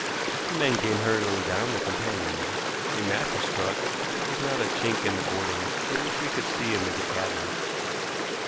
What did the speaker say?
Two men came hurriedly down the companion. A match was struck, but there was not a chink in the boarding through which we could see into the cabin.